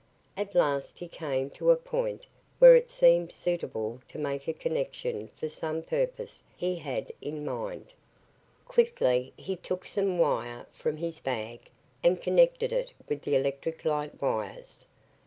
At last he came to a point where it seemed suitable to make a connection for some purpose he had in mind. Quickly he took some wire from his bag and connected it with the electric light wires.